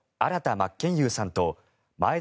真剣佑さんと眞栄田